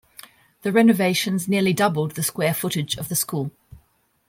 The renovations nearly doubled the square footage of the school.